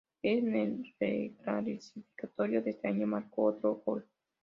En el reclasificatorio de ese año marcó otro gol.